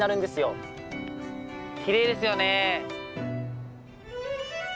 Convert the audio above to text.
きれいですよね。